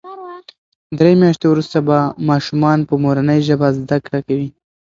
درې میاشتې وروسته به ماشومان په مورنۍ ژبه زده کړه کوي.